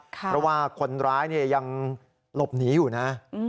เพราะว่าคนร้ายยังหลบหนีอยู่นะ